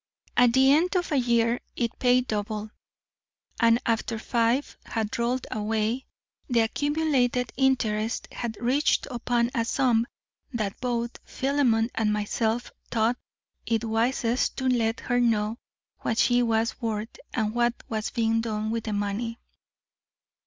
At the end of a year it paid double, and after five had rolled away the accumulated interest had reached such a sum that both Philemon and myself thought it wisest to let her know what she was worth and what was being done with the money.